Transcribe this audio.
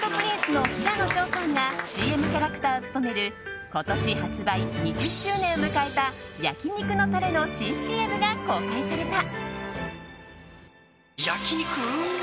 Ｋｉｎｇ＆Ｐｒｉｎｃｅの平野紫耀さんがＣＭキャラクターを務める今年、発売２０周年を迎えた焼き肉のタレの新ＣＭが公開された。